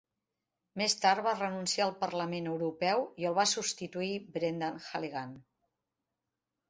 Més tard va renunciar al Parlament Europeu i el va substituir Brendan Halligan.